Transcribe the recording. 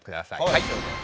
はい。